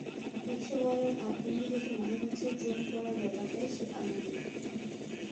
রিকশাওয়ালার ভাবভঙ্গি দেখে মনে হচ্ছে চেইন পড়ার ব্যাপারটায় সে আনন্দিত।